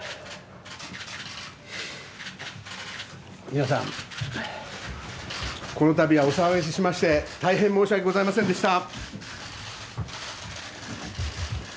皆さん、このたびはお騒がせしまして大変申し訳ございませんでした。